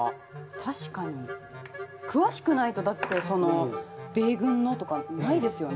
確かに詳しくないとだって米軍のとかないですよね。